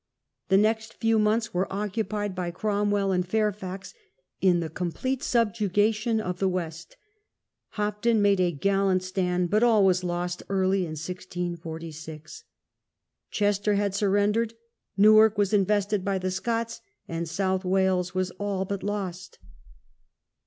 The next few months were occupied by Cromwell and Fairfax in the complete subjugation of the West. Hopton made a gallant stand, but all was lost early in 16^46. Chester had surrendered, Newark was invested by the Scots, and South Wales was all but lost.